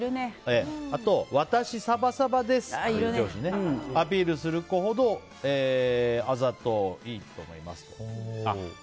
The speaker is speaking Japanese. あと、私サバサバですってアピールする子ほどあざといと思います。